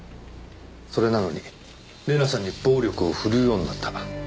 それなのに玲奈さんに暴力を振るうようになった。